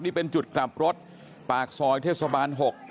นี่เป็นจุดกลับรถปากซอยเทศบาล๖